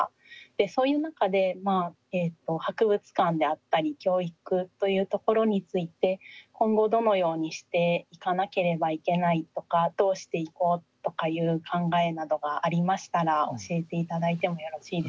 そういう中で博物館であったり教育というところについて今後どのようにしていかなければいけないとかどうしていこうとかいう考えなどがありましたら教えて頂いてもよろしいでしょうか。